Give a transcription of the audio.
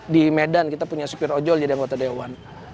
di medan kita punya supir ojol jadi anggota dewan